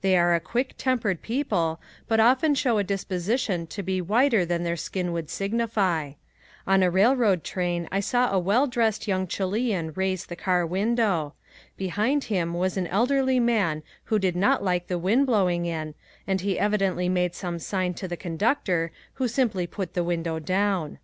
They are a quick tempered people but often show a disposition to be whiter than their skin would signify. On a railroad train I saw a well dressed young Chilean raise the car window. Behind him was an elderly man who did not like the wind blowing in and he evidently made some sign to the conductor, who simply put the window down.